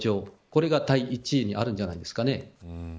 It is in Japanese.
これが第１にあるんじゃないでしょうか。